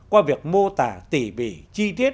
qua việc mô tả tỉ bỉ